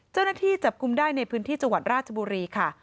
เจ้าหน้าที่จับกลุ่มได้ในพื้นที่จังหวัดราชบุรีค่ะ